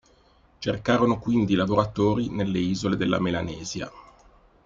Cercarono quindi lavoratori nelle isole della Melanesia.